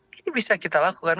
ini bisa kita lakukan